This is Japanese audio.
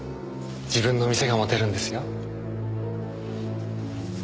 自分の店が持てるんですよ。